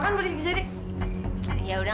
kau ada dua lian